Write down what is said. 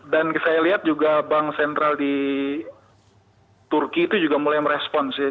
dan saya lihat juga bank sentral di turki itu juga mulai merespons ya